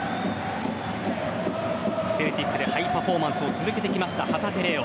セルティックでハイパフォーマンスを続けてきました、旗手怜央。